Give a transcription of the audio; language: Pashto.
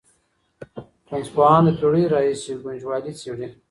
رنځپوهان د پېړیو راهېسې ګنجوالي څېړي.